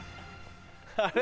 あれ？